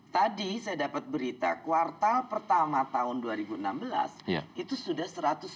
tadi saya dapat berita kuartal pertama tahun dua ribu enam belas itu sudah satu ratus tujuh puluh